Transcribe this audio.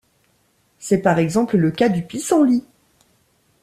C'est par exemple le cas du pissenlit.